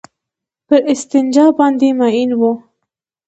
پر استنجا باندې مئين وو.